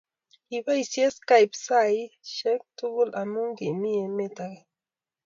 Kiboishee Skype saihek tukul ami kimii emet ake